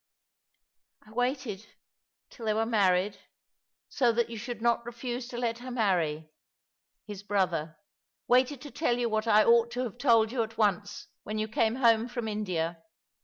"I waited — till they were married — so that you should not refuse to let her marry — his brother — waited to tell you what I ought to have told you at once, when you came home from India.